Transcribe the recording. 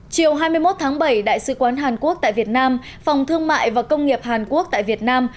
chiều hai mươi một tháng bảy đại sứ quán hàn quốc tại việt nam phòng thương mại và công nghiệp hàn quốc tại việt nam